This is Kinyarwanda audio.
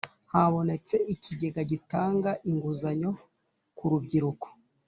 Habonetse ikigega gitanga inguzanyo ku urubyiruko